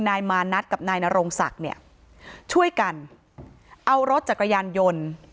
นายมานัดกับนายนรงศักดิ์เนี่ยช่วยกันเอารถจักรยานยนต์